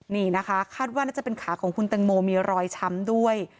นี่นะคะคาดว่าน่าจะเป็นขาของคุณแตงโมมีรอยช้ำด้วย